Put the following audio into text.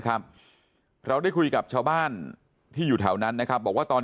ครับเราได้คุยกับชาวบ้านที่อยู่แถวนั้นนะครับบอกว่าตอน